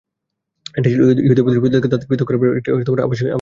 এটি ছিল ইহুদি প্রতিবেশীদের থেকে তাদের পৃথক করার ব্যাপারে একটি আবশ্যিক উপাদান।